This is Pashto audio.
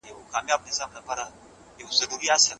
د نويو کلمو زده کول وخت غواړي.